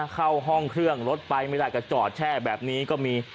เข้าห้องเครื่องรถไปไม่ได้ก็จอดแช่แบบนี้ก็มี